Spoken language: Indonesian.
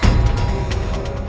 ketemu lagi di film